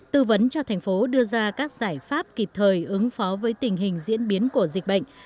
tư vấn cho thành phố đưa ra các giải pháp kịp thời ứng phó với tình hình diễn biến của dịch bệnh